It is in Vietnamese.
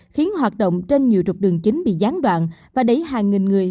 khiến hoạt động trên nhiều trục đường chính bị gián đoạn và đẩy hàng nghìn người